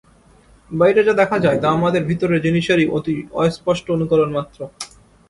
বাইরে যা দেখা যায়, তা আমাদের ভিতরের জিনিষেরই অতি অস্পষ্ট অনুকরণ-মাত্র।